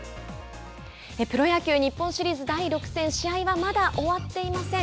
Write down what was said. プロ野球日本シリーズ第６戦、試合はまだ終わっていません。